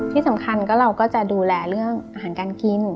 ที่สำคัญก็เราก็จะดูแลเรื่องอาหารการกิน